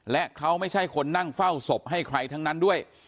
และเขาไม่ใช่คนนั่งเฝ้าศพให้ใครทั้งนั้นด้วย